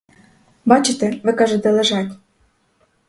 Бачите, ви кажете лежать.